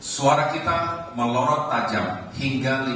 suara kita melorot tajam hingga lima